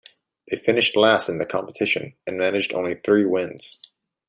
They finished last in the competition, and managed only three wins.